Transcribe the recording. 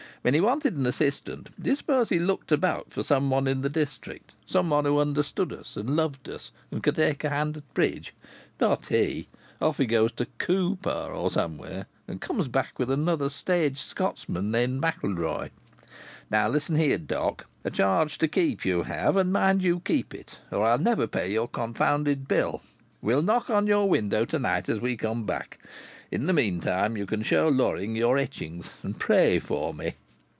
When he wanted an assistant, do you suppose he looked about for some one in the district, some one who understood us and loved us and could take a hand at bridge? Not he! Off he goes to Cupar, or somewhere, and comes back with another stage Scotchman, named MacIlroy. Now listen here, Doc! A charge to keep you have, and mind you keep it, or I'll never pay your confounded bill. We'll knock on the window to night as we come back. In the meantime you can show Loring your etchings, and pray for me."